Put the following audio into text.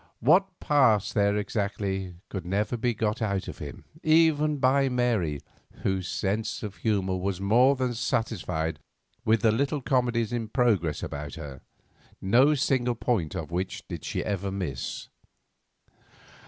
What passed there exactly, could never be got out of him, even by Mary, whose sense of humour was more than satisfied with the little comedies in progress about her, no single point of which did she ever miss.